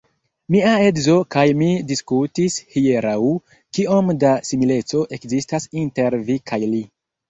Mia edzo kaj mi diskutis hieraŭ, kiom da simileco ekzistas inter vi kaj li.